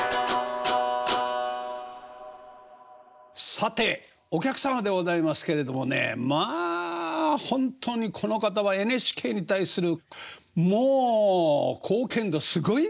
さてお客様でございますけれどもねまあ本当にこの方はＮＨＫに対するもう貢献度すごいね。